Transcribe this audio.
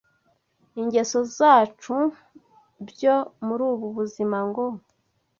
ingeso zacu byo mur’ubu buzima ngo